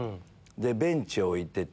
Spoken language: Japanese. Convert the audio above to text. ベンチ置いてて。